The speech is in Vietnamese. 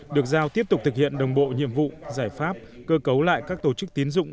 được giao tiếp tục thực hiện đồng bộ nhiệm vụ giải pháp cơ cấu lại các tổ chức tiến dụng